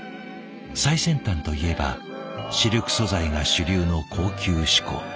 最先端といえばシルク素材が主流の高級志向。